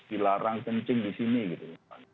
dilarang kencing disini gitu